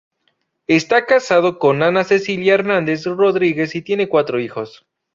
Esta casado con Ana Cecilia Hernández Rodríguez y tiene cuatro hijos.